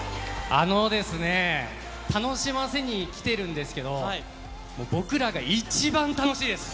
あのですね、楽しませに来てるんですけど、もう僕らが一番楽しいです。